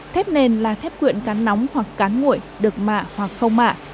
thép nền là thép quyện cán nóng hoặc cán nguội được mạ hoặc không mạ